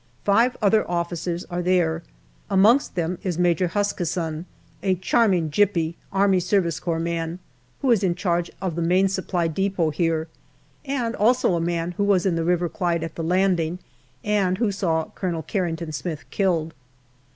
Five other officers are there ; amongst them is Major Huskisson a charming " Gypy " Army A.S.C. man, who is in charge of the Main Supply depot here, and also a man who was in the River Clyde at the landing and who saw Colonel Carrington Smith killed.